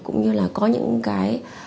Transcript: cũng như là có những cái